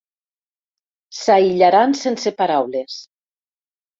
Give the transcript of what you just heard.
S'aïllaran sense paraules.